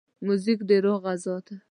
موزیک د روح غذا ده.